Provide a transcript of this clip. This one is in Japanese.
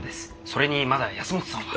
それにまだ保本さんは。